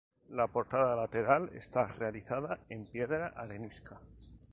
La portada lateral está realizada en piedra arenisca.